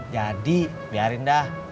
jadi biarin dah